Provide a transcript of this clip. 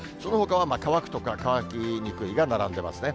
そのほかは乾くとか乾きにくいが並んでますね。